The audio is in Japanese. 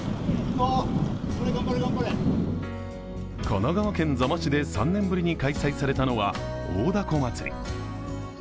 神奈川県座間市で３年ぶりに開催されたのは大凧まつり。